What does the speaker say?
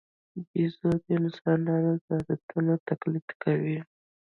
بیزو د انسانانو د عادتونو تقلید کوي.